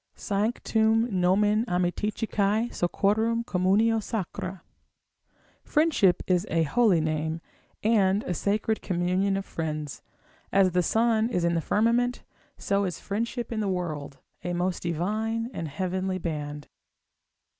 Sanctum nomen amiciticae, sociorum communio sacra; friendship is a holy name, and a sacred communion of friends. As the sun is in the firmament, so is friendship in the world, a most divine and heavenly band.